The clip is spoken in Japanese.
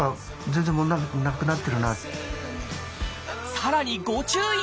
さらにご注意！